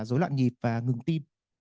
rối loạn nhịp và ngừng tim